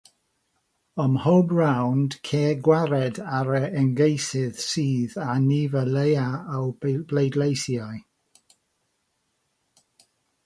Ym mhob rownd, ceir gwared ar yr ymgeisydd sydd â'r nifer lleiaf o bleidleisiau.